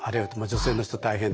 女性の人大変ですね。